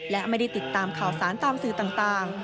และไม่ได้ติดตามข่าวสารตามสื่อต่าง